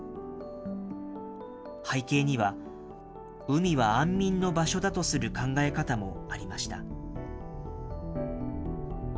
背景には、海は安眠の場所だとする考え方もありました。